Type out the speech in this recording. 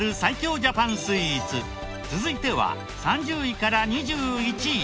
続いては３０位から２１位。